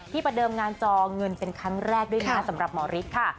ประเดิมงานจอเงินเป็นครั้งแรกด้วยนะสำหรับหมอฤทธิ์ค่ะ